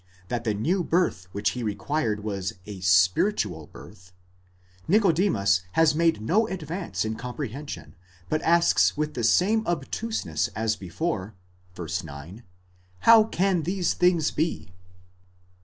5 8), that the new birth which he required was a spiritual birth, γεννηθῆναι ἐκ τοῦ πνεύματος, Nicodemus has made no advance in comprehension, but asks with the same obtuseness as before (v. 9), How can these things be?